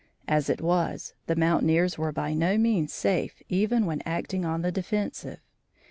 As it was, the mountaineers were by no means safe even when acting on the defensive.